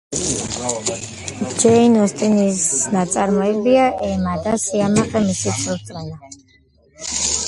ჯეინ ოსტინის ნაწარმოებებია ემა და სიამაყე და ცრურწმენა.